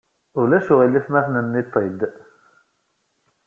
Ulac aɣilif ma tennened-t-id?